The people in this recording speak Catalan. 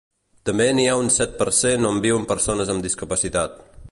També n’hi ha un set per cent on viuen persones amb discapacitat.